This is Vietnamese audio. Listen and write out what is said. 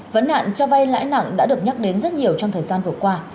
vấn nạn cho vay lãi nặng đã được nhắc đến rất nhiều trong thời gian vừa qua